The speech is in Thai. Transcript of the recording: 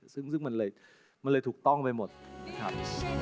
ซึ่งมันเลยถูกต้องไปหมดนะครับ